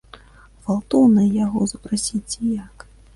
Гвалтоўна яго запрасіць ці як?